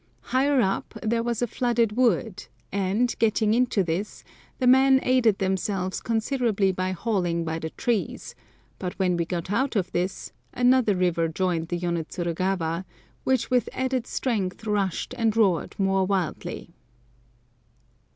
Higher up there was a flooded wood, and, getting into this, the men aided themselves considerably by hauling by the trees; but when we got out of this, another river joined the Yonetsurugawa, which with added strength rushed and roared more wildly.